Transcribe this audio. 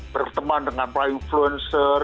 berteman dengan pelayu influencer